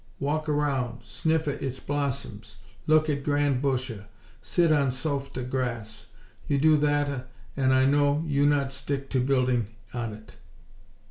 _ Walk around; sniffa its blossoms; look at grand busha; sit on softa grass! You do thatta, an' I know you not stick no building on it!!"